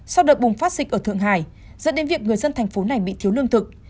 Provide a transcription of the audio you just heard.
sau đợt bùng phát dịch ở thượng hải dẫn đến việc người dân thành phố này bị thiếu lương thực